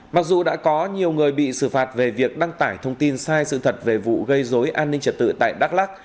mặc dù đã có nhiều người bị xử phạt về việc đăng tải thông tin sai sự thật về vụ gây dối an ninh trật tự tại đắk lắc